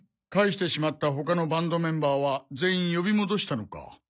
帰してしまった他のバンドメンバーは全員呼び戻したのか？